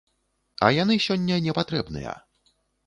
А яны сёння непатрэбныя.